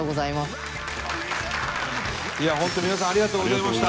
伊達：本当、皆さんありがとうございました。